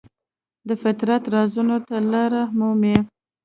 د فطرت رازونو ته لاره مومي.